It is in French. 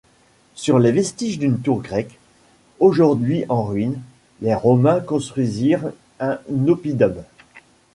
Sur les vestiges d'une tour grecque, aujourd'hui en ruines, les Romains construisirent un oppidum.